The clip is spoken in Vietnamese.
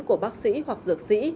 của bác sĩ hoặc dược sĩ